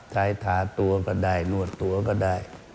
ท้ายทาตัวก็ได้นวดตัวก็ได้